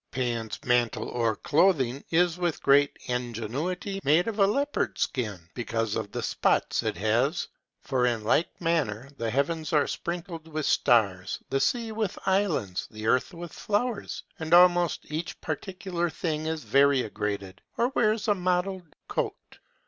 Pan's mantle, or clothing, is with great ingenuity made of a leopard's skin, because of the spots it has; for in like manner the heavens are sprinkled with stars, the sea with islands, the earth with flowers, and almost each particular thing is variegated, or wears a mottled coat.